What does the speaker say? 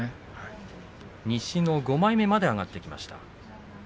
西の５枚目まで上がってきました。